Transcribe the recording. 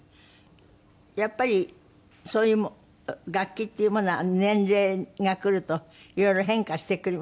やっぱりそういう楽器っていうものは年齢がくると色々変化してくるものですか？